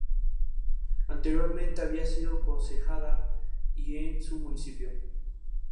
Sus letras tratan temas como el amor o la juventud.